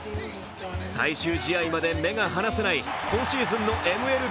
最終試合まで目が離せない今シーズンのＭＬＢ。